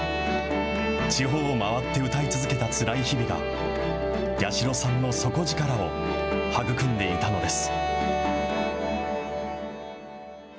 地方を回って歌い続けたつらい日々が、八代さんの底力を育んでいたのです。